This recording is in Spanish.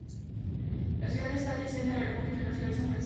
La ciudad está adyacente al Aeropuerto Internacional de San Francisco.